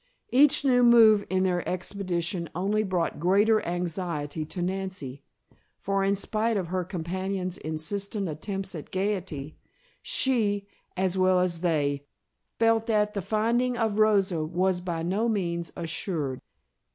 Each new move in their expedition only brought greater anxiety to Nancy, for in spite of her companions' insistent attempts at gaiety, she, as well as they, felt that the finding of Rosa was by no means assured.